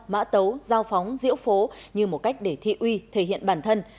mã tấu dao phóng diễu phố như một cách để thị uy thể hiện bản thân